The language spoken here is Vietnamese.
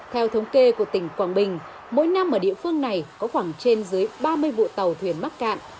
theo thống kê của tỉnh quảng bình mỗi năm ở địa phương này có khoảng trên dưới ba mươi vụ tàu thuyền mắc cạn